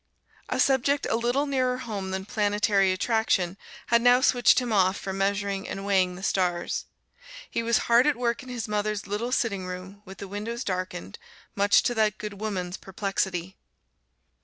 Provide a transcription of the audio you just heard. A subject a little nearer home than planetary attraction had now switched him off from measuring and weighing the stars. He was hard at work in his mother's little sitting room, with the windows darkened, much to that good woman's perplexity.